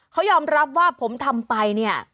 เขายอมรับว่าผมทำไปเนี่ย